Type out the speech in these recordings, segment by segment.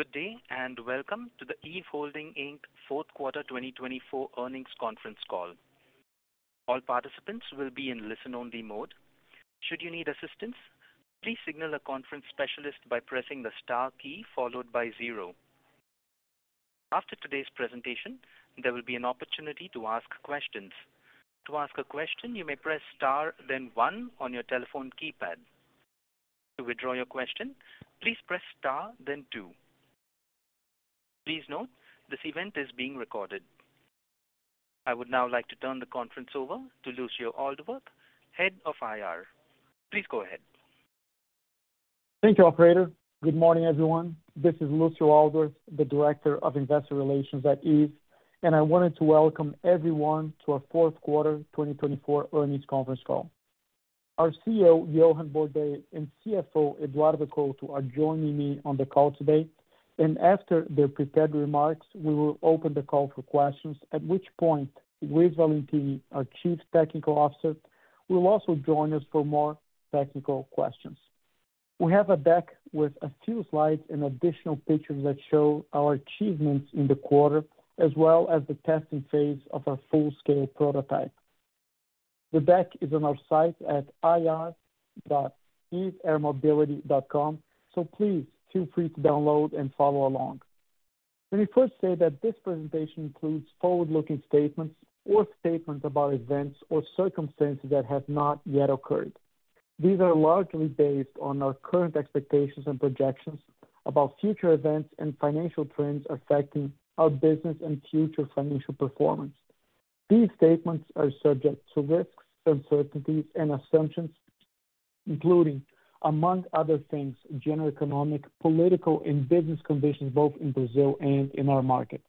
Good day, and welcome to the Eve Holding Fourth Quarter 2024 Earnings Conference Call. All participants will be in listen-only mode. Should you need assistance, please signal a conference specialist by pressing the star key followed by zero. After today's presentation, there will be an opportunity to ask questions. To ask a question, you may press star, then one on your telephone keypad. To withdraw your question, please press star, then two. Please note, this event is being recorded. I would now like to turn the conference over to Lucio Aldworth, Head of IR. Please go ahead. Thank you, Operator. Good morning, everyone. This is Lucio Aldworth, the Director of Investor Relations at Eve, and I wanted to welcome everyone to our Fourth Quarter 2024 Earnings Conference Call. Our CEO, Johann Bordais, and CFO, Eduardo Couto, are joining me on the call today, and after their prepared remarks, we will open the call for questions, at which point, Luiz Valentini, our Chief Technical Officer, will also join us for more technical questions. We have a deck with a few slides and additional pictures that show our achievements in the quarter, as well as the testing phase of our full-scale prototype. The deck is on our site at ir.eveairmobility.com, so please feel free to download and follow along. Let me first say that this presentation includes forward-looking statements or statements about events or circumstances that have not yet occurred. These are largely based on our current expectations and projections about future events and financial trends affecting our business and future financial performance. These statements are subject to risks, uncertainties, and assumptions, including, among other things, general economic, political, and business conditions both in Brazil and in our market.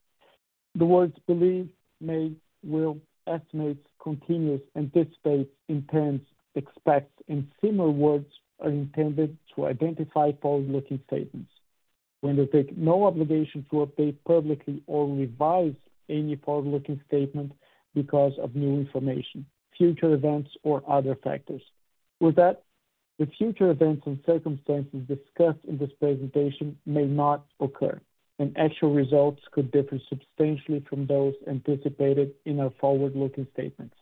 The words believe, make, will, estimate, continues, anticipates, intends, expects, and similar words are intended to identify forward-looking statements. We undertake no obligation to update publicly or revise any forward-looking statement because of new information, future events, or other factors. With that, the future events and circumstances discussed in this presentation may not occur, and actual results could differ substantially from those anticipated in our forward-looking statements.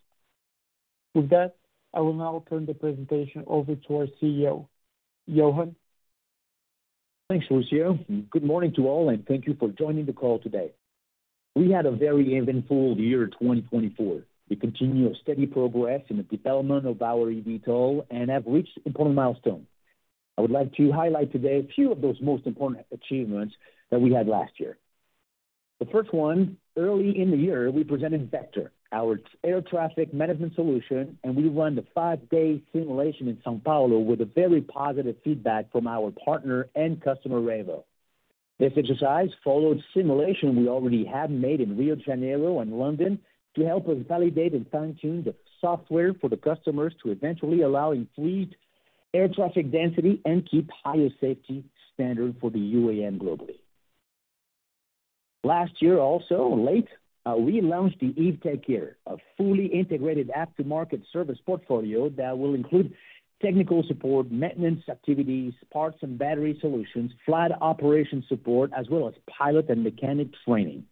With that, I will now turn the presentation over to our CEO. Johann? Thanks, Lucio. Good morning to all, and thank you for joining the call today. We had a very eventful year 2024. We continue to make steady progress in the development of our eVTOL and have reached important milestones. I would like to highlight today a few of those most important achievements that we had last year. The first one, early in the year, we presented Vector, our air traffic management solution, and we ran a five-day simulation in São Paulo with very positive feedback from our partner and customer, Revo. This exercise followed simulations we already had made in Rio de Janeiro and London to help us validate and fine-tune the software for the customers to eventually allow increased air traffic density and keep higher safety standards for the UAM globally. Last year, also late, we launched the eVTECHER, a fully integrated aftermarket service portfolio that will include technical support, maintenance activities, parts and battery solutions, flight operation support, as well as pilot and mechanic training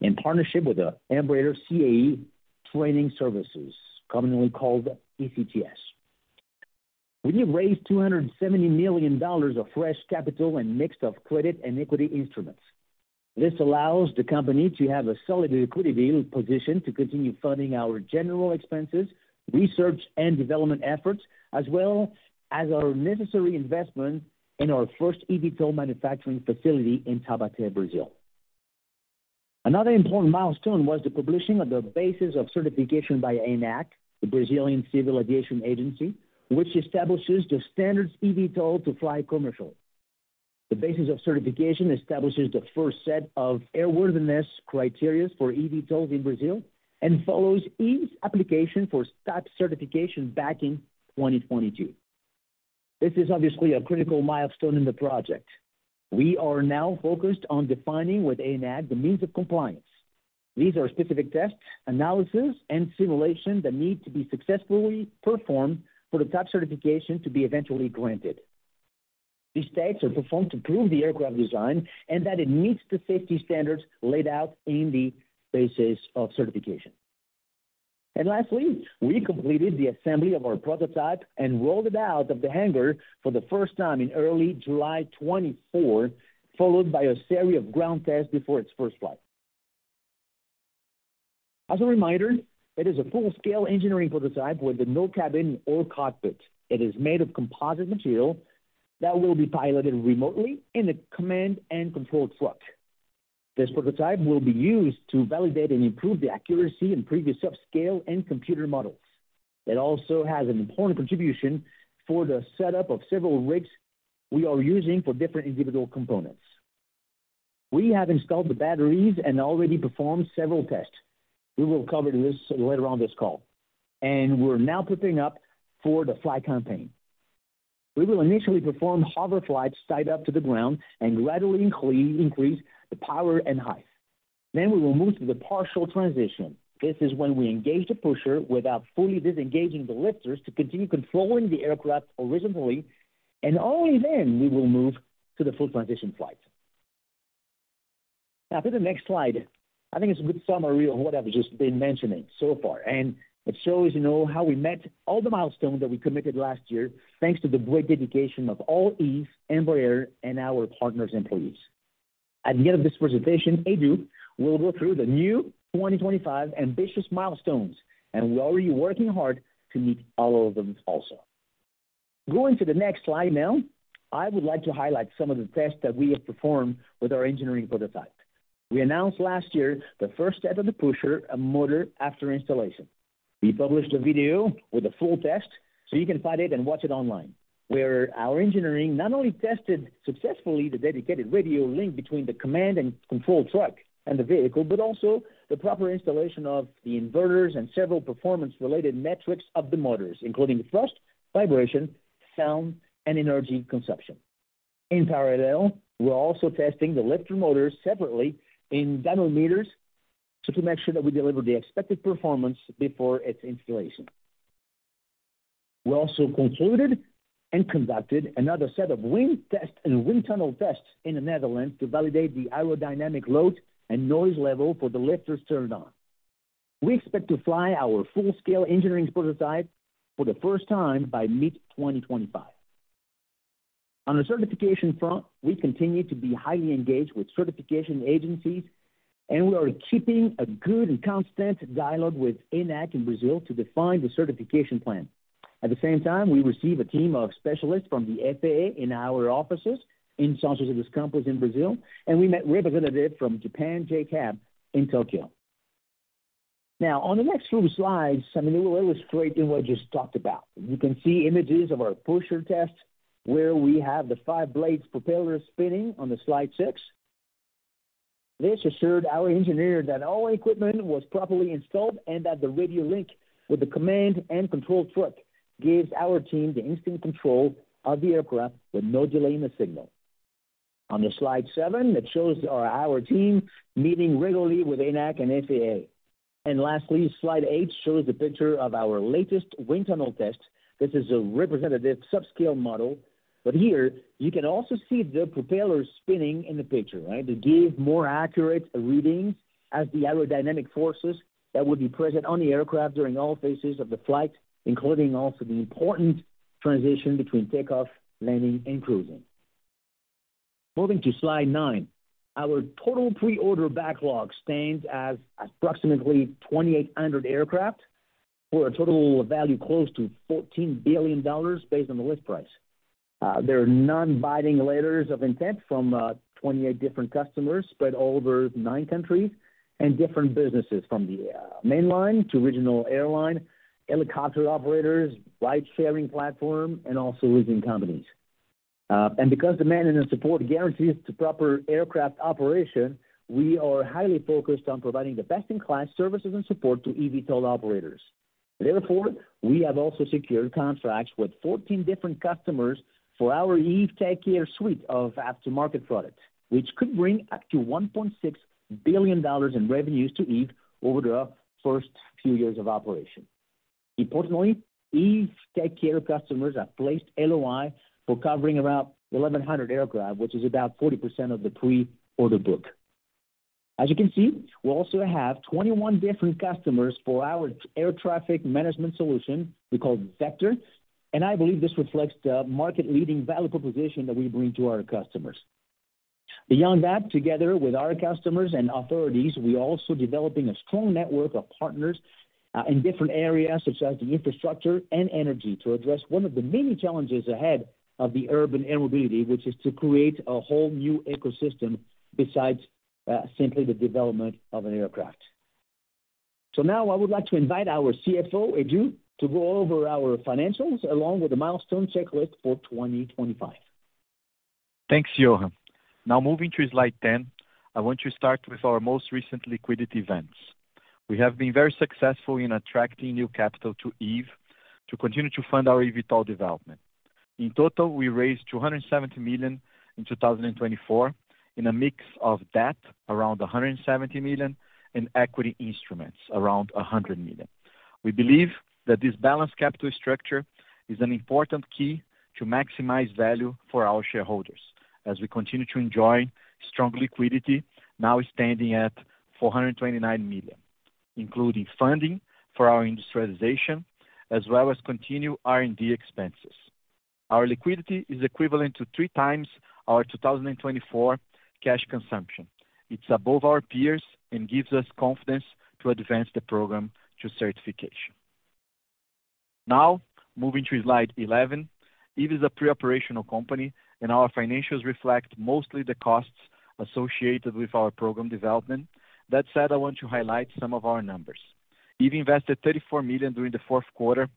in partnership with Embraer CAE Training Services, commonly called ECTS. We raised $270 million of fresh capital in mixed credit and equity instruments. This allows the company to have a solid liquidity position to continue funding our general expenses, research, and development efforts, as well as our necessary investment in our first eVTOLs manufacturing facility in Taubaté, Brazil. Another important milestone was the publishing of the basis of certification by ANAC, the Brazilian Civil Aviation Agency, which establishes the standards for eVTOLs to fly commercially. The basis of certification establishes the first set of airworthiness criteria for eVTOLs in Brazil and follows Eve's application for STAPS certification back in 2022. This is obviously a critical milestone in the project. We are now focused on defining with ANAC the means of compliance. These are specific tests, analysis, and simulations that need to be successfully performed for the STAPS certification to be eventually granted. These tests are performed to prove the aircraft design and that it meets the safety standards laid out in the basis of certification. Lastly, we completed the assembly of our prototype and rolled it out of the hangar for the first time in early July 2024, followed by a series of ground tests before its first flight. As a reminder, it is a full-scale engineering prototype with no cabin or cockpit. It is made of composite material that will be piloted remotely in a command and control truck. This prototype will be used to validate and improve the accuracy and previous subscale and computer models. It also has an important contribution for the setup of several rigs we are using for different individual components. We have installed the batteries and already performed several tests. We will cover this later on this call. We are now prepping up for the flight campaign. We will initially perform hover flights tied up to the ground and gradually increase the power and height. We will move to the partial transition. This is when we engage the pusher without fully disengaging the lifters to continue controlling the aircraft horizontally, and only then we will move to the full transition flight. Now, for the next slide, I think it's a good summary of what I've just been mentioning so far, and it shows how we met all the milestones that we committed last year thanks to the great dedication of all Eve, Embraer, and our partners and employees. At the end of this presentation, Edu will go through the new 2025 ambitious milestones, and we're already working hard to meet all of them also. Going to the next slide now, I would like to highlight some of the tests that we have performed with our engineering prototype. We announced last year the first step of the pusher motor after installation. We published a video with a full test, so you can find it and watch it online, where our engineering not only tested successfully the dedicated radio link between the command and control truck and the vehicle, but also the proper installation of the inverters and several performance-related metrics of the motors, including thrust, vibration, sound, and energy consumption. In parallel, we're also testing the lifter motors separately in dynamometers to make sure that we deliver the expected performance before its installation. We also concluded and conducted another set of wind tests and wind tunnel tests in the Netherlands to validate the aerodynamic load and noise level for the lifters turned on. We expect to fly our full-scale engineering prototype for the first time by mid-2025. On the certification front, we continue to be highly engaged with certification agencies, and we are keeping a good and constant dialogue with ANAC in Brazil to define the certification plan. At the same time, we received a team of specialists from the FAA in our offices in São José dos Campos in Brazil, and we met with a representative from Japan, JCAB, in Tokyo. Now, on the next few slides, I mean, it will illustrate what I just talked about. You can see images of our pusher test, where we have the five blades propellers spinning on the slide six. This assured our engineer that all equipment was properly installed and that the radio link with the command and control truck gives our team the instant control of the aircraft with no delay in the signal. On slide seven, it shows our team meeting regularly with ANAC and FAA. Lastly, slide eight shows the picture of our latest wind tunnel test. This is a representative subscale model, but here you can also see the propellers spinning in the picture, right, to give more accurate readings as the aerodynamic forces that will be present on the aircraft during all phases of the flight, including also the important transition between takeoff, landing, and cruising. Moving to slide nine, our total pre-order backlog stands as approximately 2,800 aircraft for a total value close to $14 billion based on the list price. There are non-binding letters of intent from 28 different customers spread over nine countries and different businesses from the mainline to regional airline, helicopter operators, ride-sharing platform, and also leasing companies. Because demand and support guarantees the proper aircraft operation, we are highly focused on providing the best-in-class services and support to eVTOL operators. Therefore, we have also secured contracts with 14 different customers for our eVTECHER suite of aftermarket products, which could bring up to $1.6 billion in revenues to Eve over the first few years of operation. Importantly, eVTECHER customers have placed LOI for covering around 1,100 aircraft, which is about 40% of the pre-order book. As you can see, we also have 21 different customers for our air traffic management solution we call Vector, and I believe this reflects the market-leading value proposition that we bring to our customers. Beyond that, together with our customers and authorities, we are also developing a strong network of partners in different areas, such as the infrastructure and energy, to address one of the many challenges ahead of the urban air mobility, which is to create a whole new ecosystem besides simply the development of an aircraft. I would like to invite our CFO, Edu, to go over our financials along with the milestone checklist for 2025. Thanks, Johan. Now, moving to slide 10, I want to start with our most recent liquidity events. We have been very successful in attracting new capital to Eve to continue to fund our eVTOL development. In total, we raised $270 million in 2024 in a mix of debt around $170 million and equity instruments around $100 million. We believe that this balanced capital structure is an important key to maximize value for our shareholders as we continue to enjoy strong liquidity, now standing at $429 million, including funding for our industrialization, as well as continued R&D expenses. Our liquidity is equivalent to three times our 2024 cash consumption. It's above our peers and gives us confidence to advance the program to certification. Now, moving to slide 11, Eve is a pre-operational company, and our financials reflect mostly the costs associated with our program development. That said, I want to highlight some of our numbers. Eve invested $34 million during the fourth quarter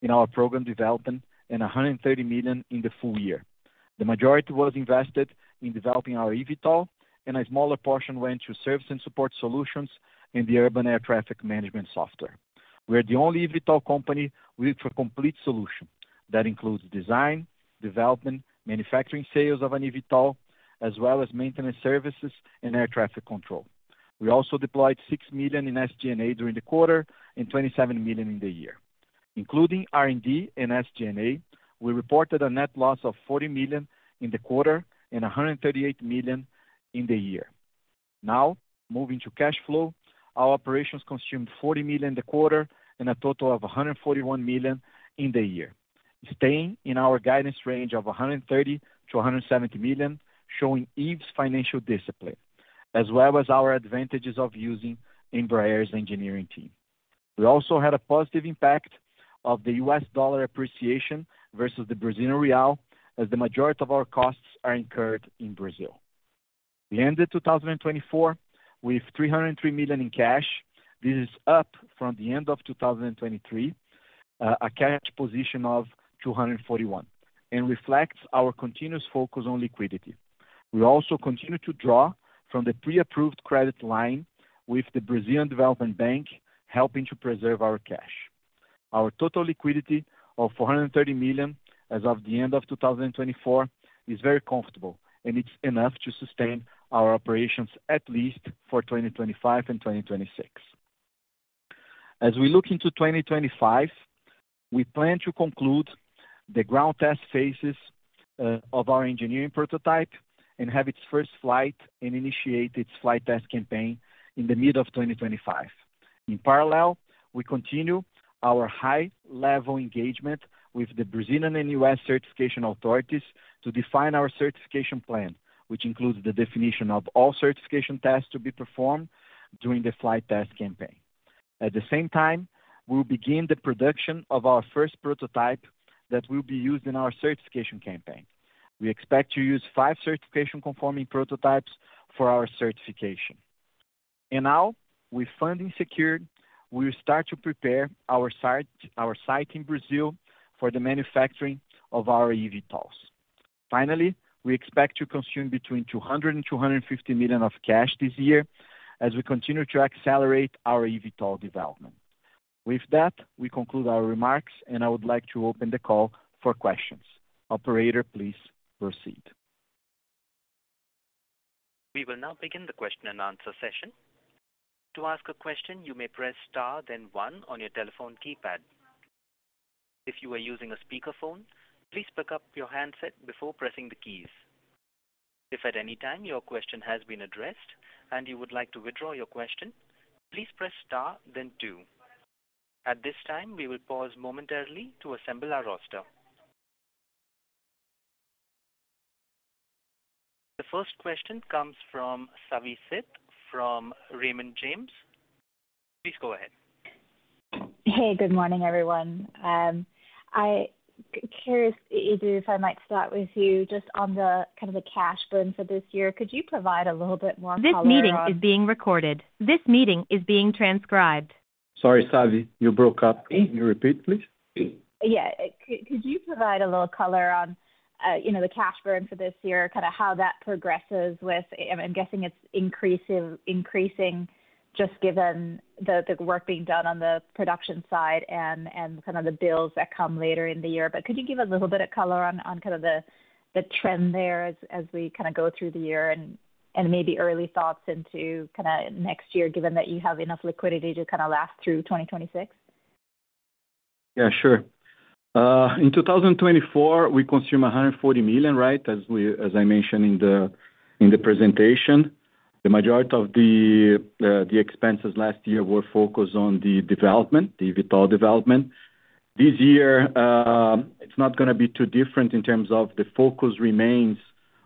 in our program development and $130 million in the full year. The majority was invested in developing our eVTOL, and a smaller portion went to service and support solutions and the urban air traffic management software. We are the only eVTOL company with a complete solution that includes design, development, manufacturing sales of an eVTOL, as well as maintenance services and air traffic control. We also deployed $6 million in SG&A during the quarter and $27 million in the year. Including R&D and SG&A, we reported a net loss of $40 million in the quarter and $138 million in the year. Now, moving to cash flow, our operations consumed $40 million in the quarter and a total of $141 million in the year, staying in our guidance range of $130-$170 million, showing Eve's financial discipline, as well as our advantages of using Embraer's engineering team. We also had a positive impact of the US dollar appreciation versus the Brazilian real as the majority of our costs are incurred in Brazil. We ended 2024 with $303 million in cash. This is up from the end of 2023, a cash position of $241 million, and reflects our continuous focus on liquidity. We also continue to draw from the pre-approved credit line with the Brazilian Development Bank, helping to preserve our cash. Our total liquidity of $430 million as of the end of 2024 is very comfortable, and it's enough to sustain our operations at least for 2025 and 2026. As we look into 2025, we plan to conclude the ground test phases of our engineering prototype and have its first flight and initiate its flight test campaign in the mid of 2025. In parallel, we continue our high-level engagement with the Brazilian and U.S. certification authorities to define our certification plan, which includes the definition of all certification tests to be performed during the flight test campaign. At the same time, we will begin the production of our first prototype that will be used in our certification campaign. We expect to use five certification-conforming prototypes for our certification. Now, with funding secured, we will start to prepare our site in Brazil for the manufacturing of our eVTOLs. Finally, we expect to consume between $200 million and $250 million of cash this year as we continue to accelerate our eVTOL development. With that, we conclude our remarks, and I would like to open the call for questions. Operator, please proceed. We will now begin the question and answer session. To ask a question, you may press star, then one on your telephone keypad. If you are using a speakerphone, please pick up your handset before pressing the keys. If at any time your question has been addressed and you would like to withdraw your question, please press star, then two. At this time, we will pause momentarily to assemble our roster. The first question comes from Savanthi Nipunika Prelis-Syth from Raymond James. Please go ahead. Hey, good morning, everyone. I'm curious, Edu, if I might start with you just on the kind of the cash burn for this year. Could you provide a little bit more color on that? This meeting is being recorded. This meeting is being transcribed. Sorry, Savi, you broke up. Can you repeat, please? Yeah. Could you provide a little color on the cash burn for this year, kind of how that progresses with, I'm guessing it's increasing just given the work being done on the production side and kind of the bills that come later in the year? Could you give a little bit of color on kind of the trend there as we kind of go through the year and maybe early thoughts into kind of next year, given that you have enough liquidity to kind of last through 2026? Yeah, sure. In 2024, we consume $140 million, right, as I mentioned in the presentation. The majority of the expenses last year were focused on the development, the eVTOL development. This year, it's not going to be too different in terms of the focus remains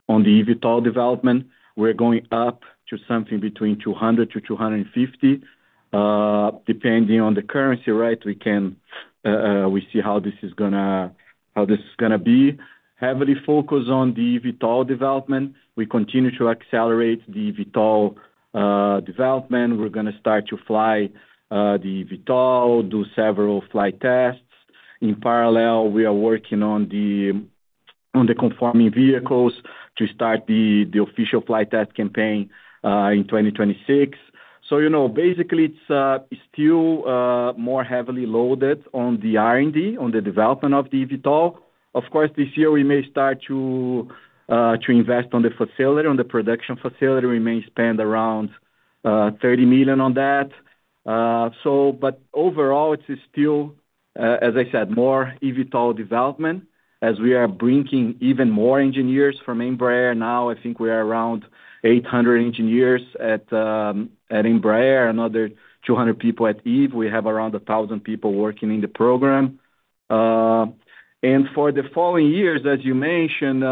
on the eVTOL development. We're going up to something between $200-$250 million, depending on the currency, right? We see how this is going to be heavily focused on the eVTOL development. We continue to accelerate the eVTOL development. We're going to start to fly the eVTOL, do several flight tests. In parallel, we are working on the conforming vehicles to start the official flight test campaign in 2026. Basically, it's still more heavily loaded on the R&D, on the development of the eVTOL. Of course, this year, we may start to invest on the facility, on the production facility. We may spend around $30 million on that. Overall, it's still, as I said, more eVTOL development as we are bringing even more engineers from Embraer. Now, I think we are around 800 engineers at Embraer, another 200 people at Eve. We have around 1,000 people working in the program. For the following years, as you mentioned,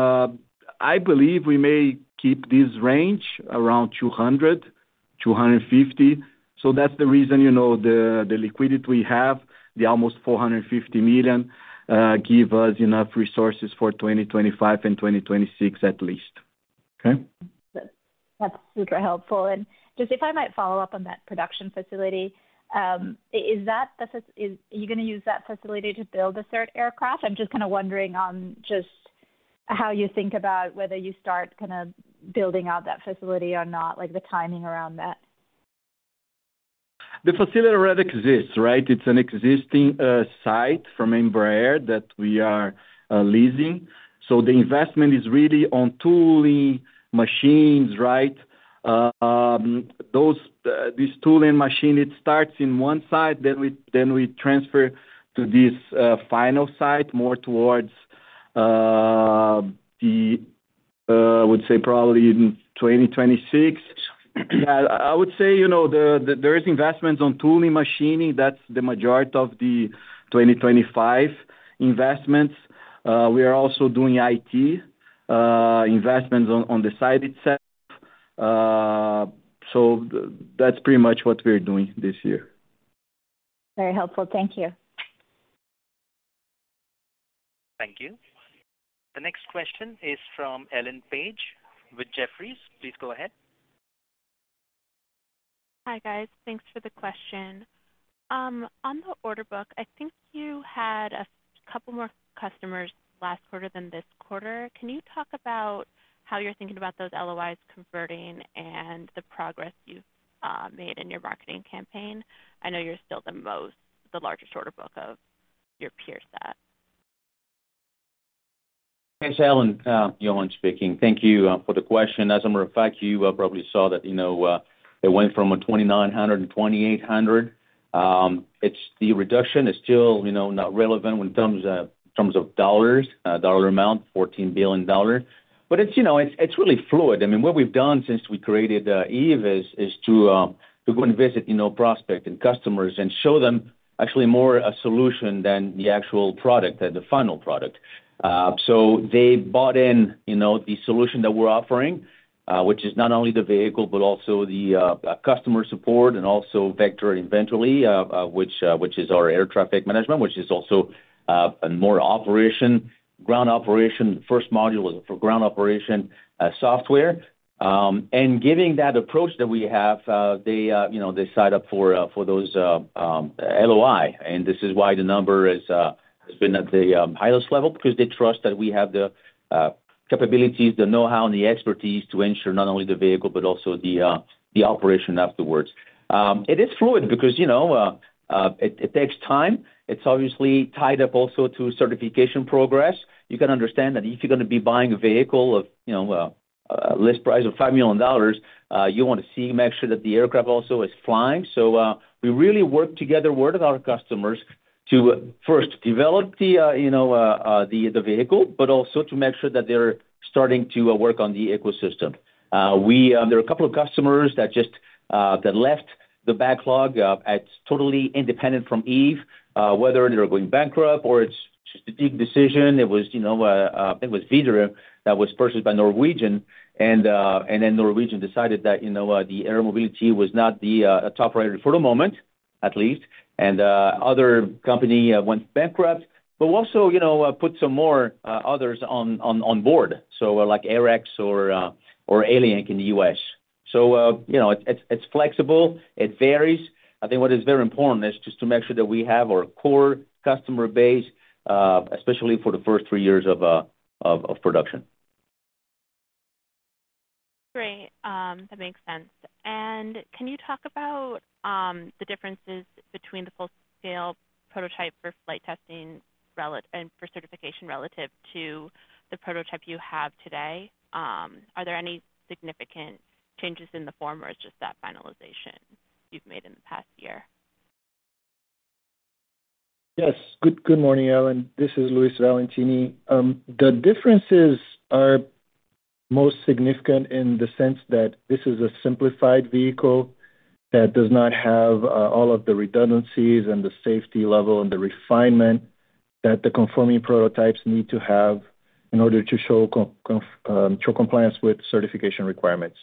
I believe we may keep this range around $200 million-$250 million. That's the reason the liquidity we have, the almost $450 million, gives us enough resources for 2025 and 2026 at least. Okay? That's super helpful. Just if I might follow up on that production facility, are you going to use that facility to build a third aircraft? I'm just kind of wondering on just how you think about whether you start kind of building out that facility or not, like the timing around that. The facility already exists, right? It's an existing site from Embraer that we are leasing. The investment is really on tooling, machines, right? This tooling machine, it starts in one site. We transfer to this final site more towards the, I would say, probably 2026. I would say there is investment on tooling, machining. That's the majority of the 2025 investments. We are also doing IT investments on the site itself. That's pretty much what we're doing this year. Very helpful. Thank you. Thank you. The next question is from Ellen Dionysia Page with Jefferies. Please go ahead. Hi, guys. Thanks for the question. On the order book, I think you had a couple more customers last quarter than this quarter. Can you talk about how you're thinking about those LOIs converting and the progress you've made in your marketing campaign? I know you're still the largest order book of your peer set. Thanks, Ellen. Johan speaking. Thank you for the question. As a matter of fact, you probably saw that it went from $2,900 to $2,800. The reduction is still not relevant in terms of dollars, dollar amount, $14 billion. It is really fluid. I mean, what we've done since we created Eve is to go and visit prospects and customers and show them actually more a solution than the actual product, the final product. They bought in the solution that we're offering, which is not only the vehicle, but also the customer support and also Vector eventually, which is our air traffic management, which is also more operation, ground operation. The first module was for ground operation software. Giving that approach that we have, they signed up for those LOI. This is why the number has been at the highest level, because they trust that we have the capabilities, the know-how, and the expertise to ensure not only the vehicle, but also the operation afterwards. It is fluid because it takes time. It's obviously tied up also to certification progress. You can understand that if you're going to be buying a vehicle of a list price of $5 million, you want to see and make sure that the aircraft also is flying. We really work together with our customers to first develop the vehicle, but also to make sure that they're starting to work on the ecosystem. There are a couple of customers that left the backlog. It's totally independent from Eve, whether they're going bankrupt or it's just a big decision. It was Vizor that was purchased by Norwegian. Norwegian decided that the air mobility was not the top priority for the moment, at least. Another company went bankrupt, but also put some more others on board, like AirX or Alliant in the US. It is flexible. It varies. I think what is very important is just to make sure that we have our core customer base, especially for the first three years of production. Great. That makes sense. Can you talk about the differences between the full-scale prototype for flight testing and for certification relative to the prototype you have today? Are there any significant changes in the form, or is it just that finalization you've made in the past year? Yes. Good morning, Ellen. This is Luis Valentini. The differences are most significant in the sense that this is a simplified vehicle that does not have all of the redundancies and the safety level and the refinement that the conforming prototypes need to have in order to show compliance with certification requirements.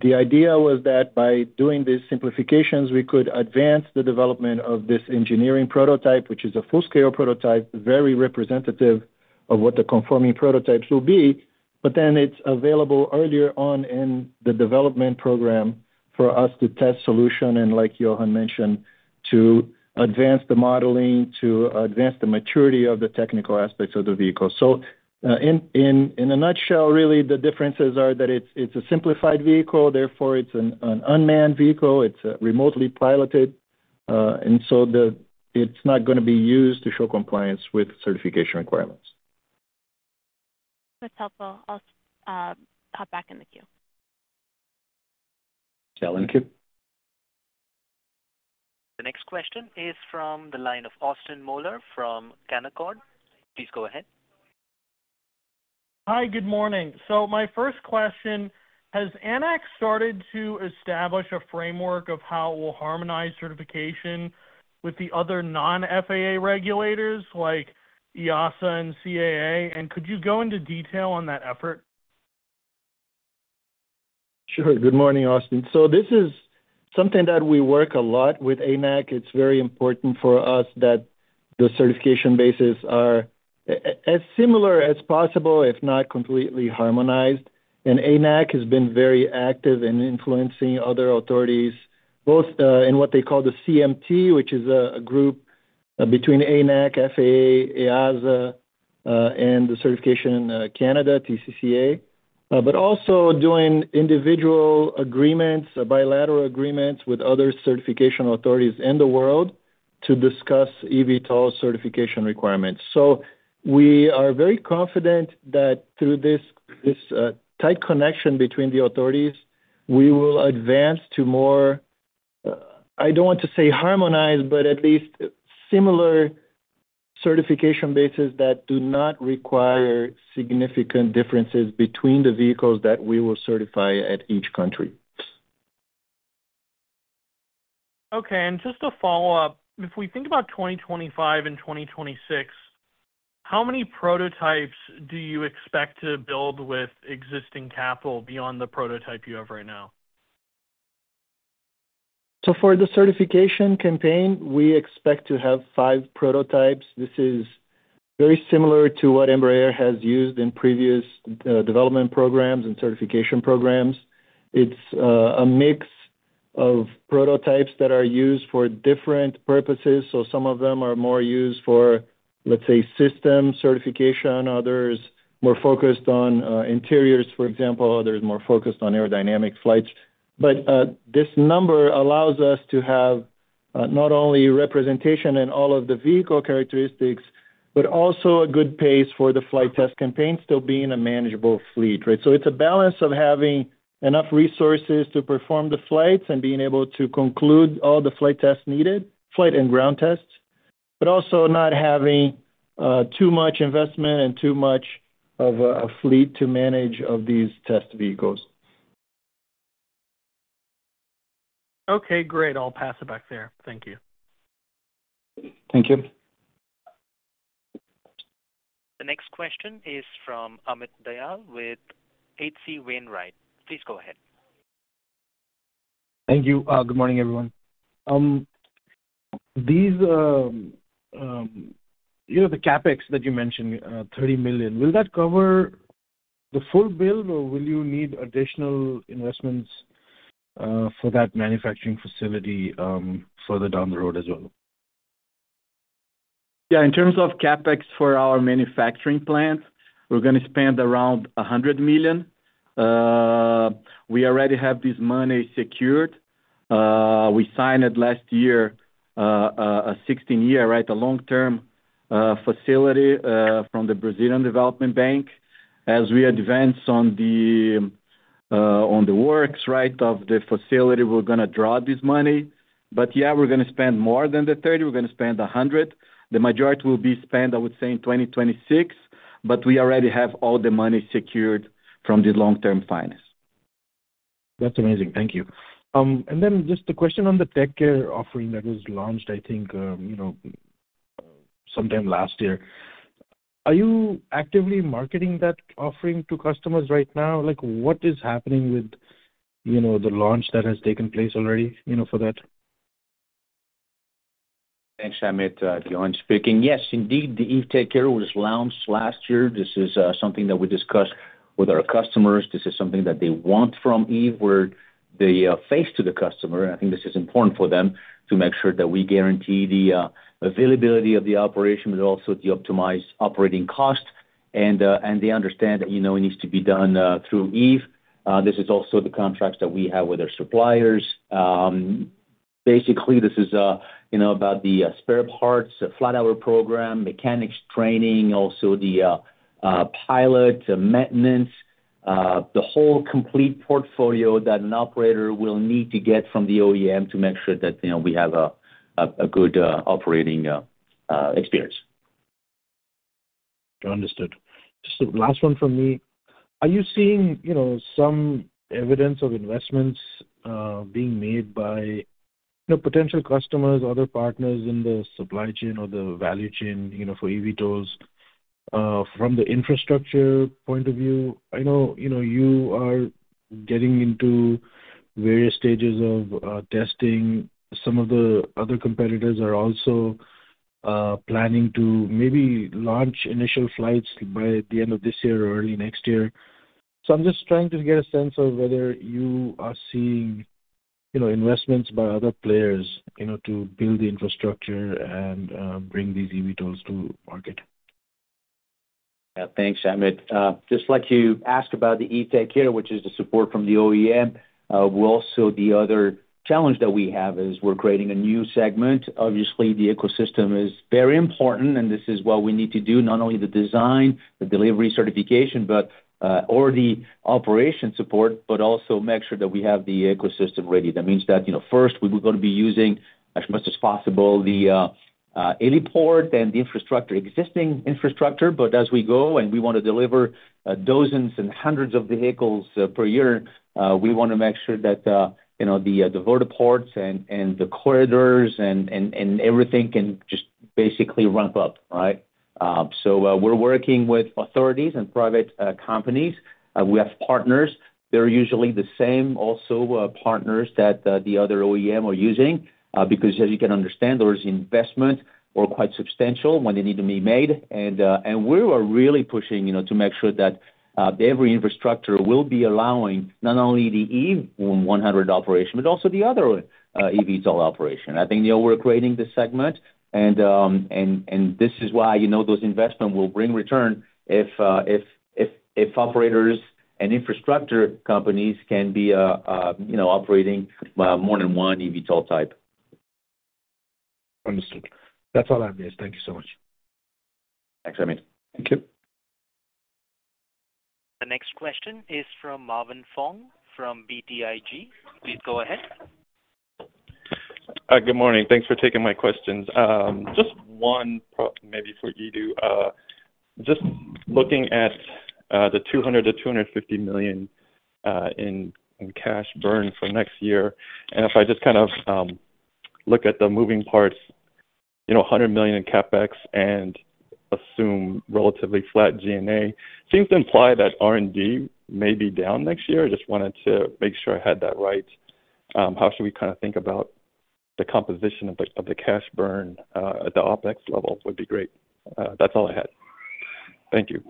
The idea was that by doing these simplifications, we could advance the development of this engineering prototype, which is a full-scale prototype, very representative of what the conforming prototypes will be. It is available earlier on in the development program for us to test solution and, like Johan mentioned, to advance the modeling, to advance the maturity of the technical aspects of the vehicle. In a nutshell, really, the differences are that it is a simplified vehicle. Therefore, it is an unmanned vehicle. It is remotely piloted. It is not going to be used to show compliance with certification requirements. That's helpful. I'll hop back in the queue. Thank you. The next question is from the line of Austin Nathan Moeller from Canaccord. Please go ahead. Hi, good morning. My first question: has ANAC started to establish a framework of how it will harmonize certification with the other non-FAA regulators like EASA and CAA? Could you go into detail on that effort? Sure. Good morning, Austin. This is something that we work a lot with ANAC. It's very important for us that the certification bases are as similar as possible, if not completely harmonized. ANAC has been very active in influencing other authorities, both in what they call the CMT, which is a group between ANAC, FAA, EASA, and the Certification Canada, TCCA, but also doing individual agreements, bilateral agreements with other certification authorities in the world to discuss eVTOL certification requirements. We are very confident that through this tight connection between the authorities, we will advance to more, I don't want to say harmonized, but at least similar certification bases that do not require significant differences between the vehicles that we will certify at each country. Okay. Just to follow up, if we think about 2025 and 2026, how many prototypes do you expect to build with existing capital beyond the prototype you have right now? For the certification campaign, we expect to have five prototypes. This is very similar to what Embraer has used in previous development programs and certification programs. It's a mix of prototypes that are used for different purposes. Some of them are more used for, let's say, system certification. Others are more focused on interiors, for example. Others are more focused on aerodynamic flights. This number allows us to have not only representation in all of the vehicle characteristics, but also a good pace for the flight test campaign, still being a manageable fleet, right? It's a balance of having enough resources to perform the flights and being able to conclude all the flight tests needed, flight and ground tests, but also not having too much investment and too much of a fleet to manage these test vehicles. Okay. Great. I'll pass it back there. Thank you. Thank you. The next question is from Ahmed Dayal with HC Wainwright. Please go ahead. Thank you. Good morning, everyone. The CapEx that you mentioned, $30 million, will that cover the full build, or will you need additional investments for that manufacturing facility further down the road as well? Yeah. In terms of CapEx for our manufacturing plants, we're going to spend around $100 million. We already have this money secured. We signed it last year, a 16-year, right, a long-term facility from the Brazilian Development Bank. As we advance on the works, right, of the facility, we're going to draw this money. Yeah, we're going to spend more than the $30. We're going to spend $100. The majority will be spent, I would say, in 2026. We already have all the money secured from this long-term finance. That's amazing. Thank you. Just the question on the tech care offering that was launched, I think, sometime last year. Are you actively marketing that offering to customers right now? What is happening with the launch that has taken place already for that? Thanks, Ahmed. Johan speaking. Yes, indeed, the eVTECHER was launched last year. This is something that we discussed with our customers. This is something that they want from Eve where they face to the customer. I think this is important for them to make sure that we guarantee the availability of the operation, but also the optimized operating cost. They understand that it needs to be done through Eve. This is also the contracts that we have with our suppliers. Basically, this is about the spare parts, flat-hour program, mechanics training, also the pilot, maintenance, the whole complete portfolio that an operator will need to get from the OEM to make sure that we have a good operating experience. Understood. Just the last one from me. Are you seeing some evidence of investments being made by potential customers, other partners in the supply chain or the value chain for eVTOLs from the infrastructure point of view? I know you are getting into various stages of testing. Some of the other competitors are also planning to maybe launch initial flights by the end of this year or early next year. I'm just trying to get a sense of whether you are seeing investments by other players to build the infrastructure and bring these eVTOLs to market. Yeah. Thanks, Ahmed. Just like you asked about the eVTECHER, which is the support from the OEM, also the other challenge that we have is we're creating a new segment. Obviously, the ecosystem is very important, and this is what we need to do, not only the design, the delivery certification, or the operation support, but also make sure that we have the ecosystem ready. That means that first, we're going to be using as much as possible the heliport and the existing infrastructure. As we go, and we want to deliver dozens and hundreds of vehicles per year, we want to make sure that the vertical ports and the corridors and everything can just basically ramp up, right? We are working with authorities and private companies. We have partners. They're usually the same also partners that the other OEM are using because, as you can understand, those investments are quite substantial when they need to be made. We are really pushing to make sure that every infrastructure will be allowing not only the Eve 100 operation, but also the other eVTOL operation. I think we're creating the segment. This is why those investments will bring return if operators and infrastructure companies can be operating more than one eVTOL type. Understood. That's all I have, Lucio. Thank you so much. Thanks, Ahmed. Thank you. The next question is from Marvin Fong from BTIG. Please go ahead. Good morning. Thanks for taking my questions. Just one maybe for you to just looking at the $200-$250 million in cash burn for next year. If I just kind of look at the moving parts, $100 million in CapEx and assume relatively flat G&A, seems to imply that R&D may be down next year. I just wanted to make sure I had that right. How should we kind of think about the composition of the cash burn at the OpEx level would be great. That's all I had. Thank you.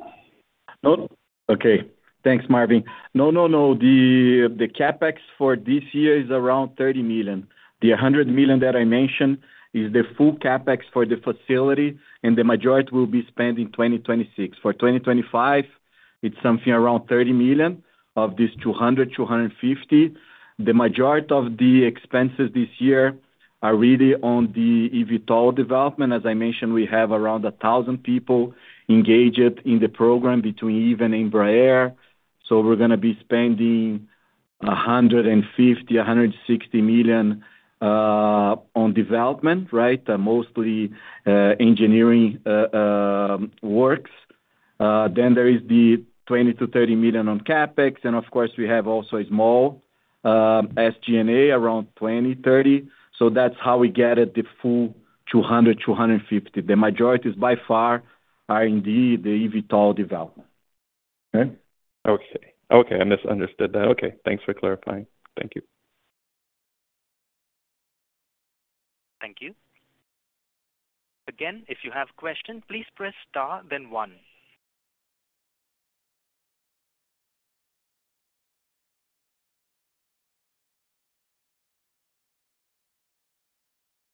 No. Okay. Thanks, Marvin. No, no, no. The CapEx for this year is around $30 million. The $100 million that I mentioned is the full CapEx for the facility, and the majority will be spent in 2026. For 2025, it's something around $30 million of this $200-$250 million. The majority of the expenses this year are really on the eVTOL development. As I mentioned, we have around 1,000 people engaged in the program between Eve and Embraer. We're going to be spending $150-$160 million on development, right, mostly engineering works. There is the $20-$30 million on CapEx. Of course, we have also a small SG&A, around $20-$30 million. That's how we get at the full $200-$250 million. The majority is by far R&D, the eVTOL development. Okay. I misunderstood that. Okay. Thanks for clarifying. Thank you. Thank you. Again, if you have questions, please press star, then one.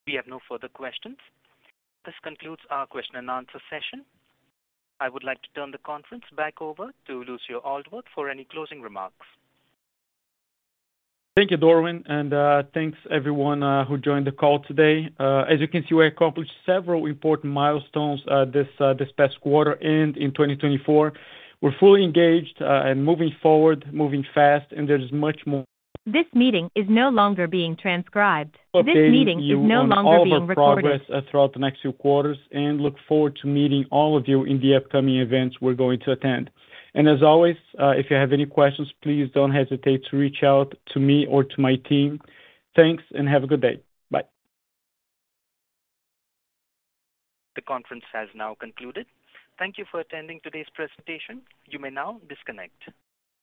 We have no further questions. This concludes our question and answer session. I would like to turn the conference back over to Lucio Aldworth for any closing remarks. Thank you, Dorian. Thank you, everyone, who joined the call today. As you can see, we accomplished several important milestones this past quarter and in 2024. We are fully engaged and moving forward, moving fast, and there is much more. This meeting is no longer being transcribed. This meeting is no longer being recorded. We'll keep progress throughout the next few quarters and look forward to meeting all of you in the upcoming events we're going to attend. As always, if you have any questions, please don't hesitate to reach out to me or to my team. Thanks and have a good day. Bye. The conference has now concluded. Thank you for attending today's presentation. You may now disconnect.